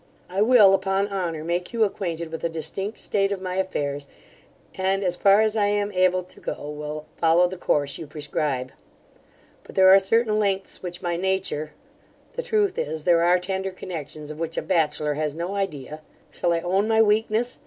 I will, upon honour, make you acquainted with a distinct state of my affairs, and, as far as I am able to go, will follow the course you prescribe. But there are certain lengths which my nature The truth is, there are tender connexions, of which a batchelor has no idea Shall I own my weakness?